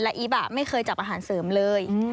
อีฟไม่เคยจับอาหารเสริมเลย